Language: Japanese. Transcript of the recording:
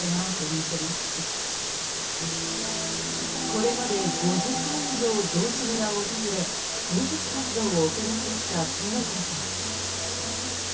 これまで５０回以上道志村を訪れ捜索活動を行ってきたとも子さん。